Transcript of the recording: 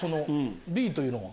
Ｂというのは。